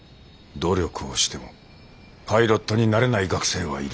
努力をしてもパイロットになれない学生はいる。